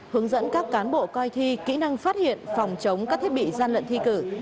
hướng dẫn các cán bộ coi thi kỹ năng phát hiện phòng chống các thiết bị gian lận thi cử